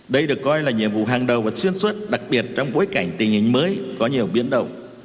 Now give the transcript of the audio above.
đây được coi là nhiệm vụ hàng đầu và xuyên suốt đặc biệt trong bối cảnh tình hình mới có nhiều biến động